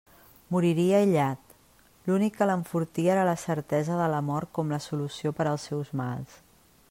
Moriria aïllat; l'únic que l'enfortia era la certesa de la mort com la solució per als seus mals.